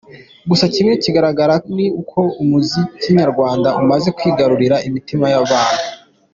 Gusa kimwe kigaragara ni uko umuziki nyarwanda umaze kwigarurira imitima y’abantu.